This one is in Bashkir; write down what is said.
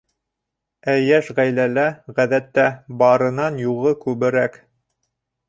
Ә йәш ғаиләлә, ғәҙәттә, барынан юғы күберәк.